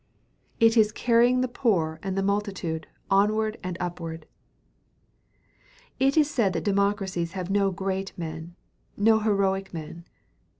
It is carrying the poor and the multitude onward and upward. It is said that democracies have no great men, no heroic men.